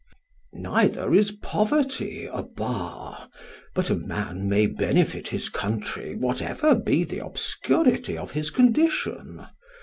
Neither is poverty a bar, but a man may benefit his country whatever be the obscurity of his condition.